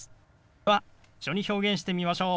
では一緒に表現してみましょう。